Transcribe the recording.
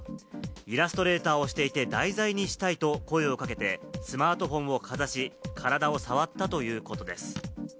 イラストレーターをしていて題材にしたいと声をかけてスマートフォンをかざし、体を触ったということです。